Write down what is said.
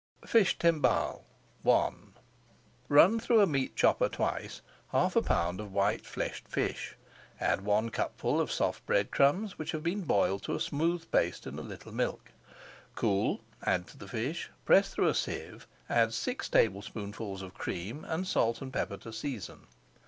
FISH TIMBALE I Run through a meat chopper twice half a pound of white fleshed fish. Add one cupful of soft bread crumbs which have been boiled to a smooth paste in a little milk. Cool, add to the fish, press through a sieve, add six tablespoonfuls of cream, and salt and pepper to season.